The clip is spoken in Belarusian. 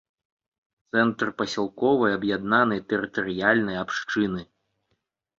Цэнтр пасялковай аб'яднанай тэрытарыяльнай абшчыны.